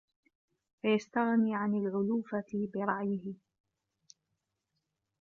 وَيَسْتَغْنِي عَنْ الْعُلُوفَةِ بِرَعْيِهِ